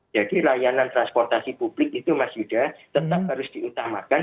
jadi layanan transportasi publik itu mas yuda tetap harus diutamakan